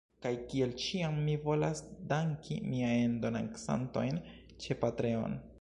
Kaj kiel ĉiam mi volas danki miajn donancantojn ĉe Patreon.